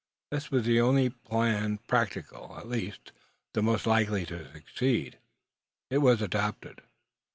This was the only plan practicable; at least, the most likely to succeed. It was adopted.